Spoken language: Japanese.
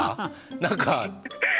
何か。